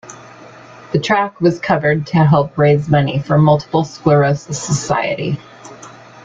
The track was covered to help raise money for Multiple Sclerosis Society.